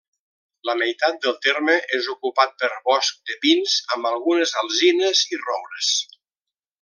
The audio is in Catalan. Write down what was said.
La meitat del terme és ocupat per bosc de pins amb algunes alzines i roures.